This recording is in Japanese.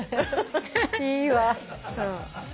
いいわ。